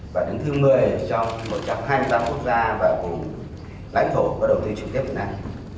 và đến thứ một mươi trong một trăm hai mươi tám quốc gia và cùng lãnh thổ có đầu tư trực tiếp việt nam